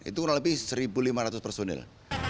itu kurang lebih satu lima ratus personil